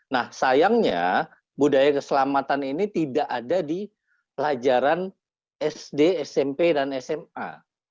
nah sayangnya budaya keselamatan ini tidak ada di pelajaran sd smp dan sma